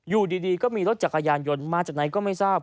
อยู่ดีก็มีรถจักรยานยนต์มาจากไหนก็ไม่ทราบ